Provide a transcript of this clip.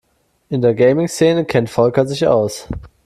In der Gaming-Szene kennt Volker sich aus.